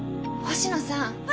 星野さん！